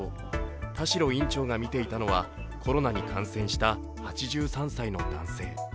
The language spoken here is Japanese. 田代院長が診ていたのはコロナに感染した８３歳の男性。